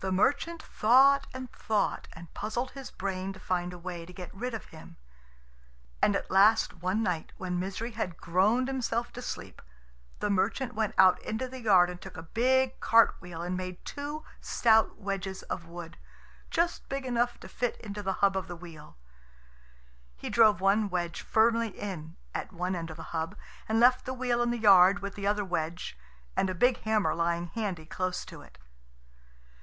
The merchant thought and thought, and puzzled his brain to find a way to get rid of him. And at last one night, when Misery had groaned himself to sleep, the merchant went out into the yard and took a big cart wheel and made two stout wedges of wood, just big enough to fit into the hub of the wheel. He drove one wedge firmly in at one end of the hub, and left the wheel in the yard with the other wedge, and a big hammer lying handy close to it.